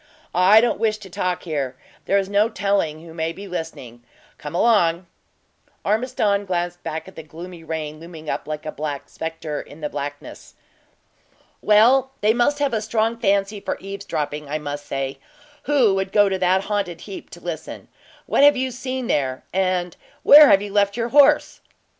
"I don't wish to talk here; there is no telling who may be listening. Come along." Ormiston glanced back at the gloomy rain looming up like a black spectre in the blackness. "Well, they must have a strong fancy for eavesdropping, I must say, who world go to that haunted heap to listen. What have you seen there, and where have you left your horse?"